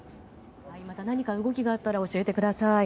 また何か動きがあったら教えてください。